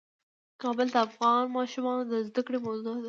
کابل د افغان ماشومانو د زده کړې موضوع ده.